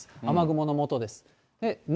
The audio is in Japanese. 雨雲のもとです。